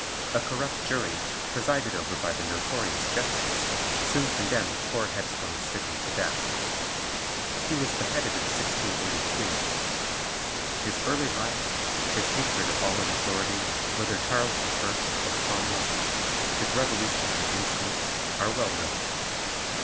A corrupt jury, presided over by the notorious Jeffreys, soon condemned poor headstrong Sidney to death. He was beheaded in 1683. His early life, his hatred of all in authority, whether Charles I. or Cromwell, his revolutionary instincts, are well known.